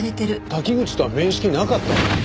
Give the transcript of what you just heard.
滝口とは面識なかったの？